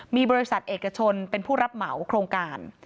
มีบริษัทเอกชนเป็นผู้รับเหมาโครงการ